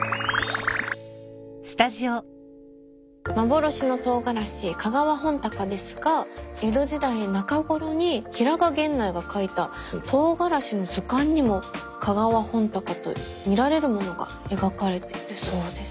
幻のとうがらし香川本鷹ですが江戸時代中頃に平賀源内が書いたとうがらしの図鑑にも香川本鷹とみられるものが描かれてるそうです。